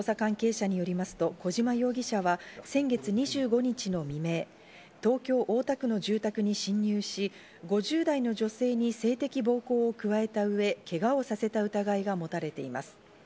捜査関係者によりますと、小島容疑者は先月２５日の未明、東京・大田区の住宅に侵入し、５０代の女性に性的暴行を加えた上、けがをさせた疑いが持たれています。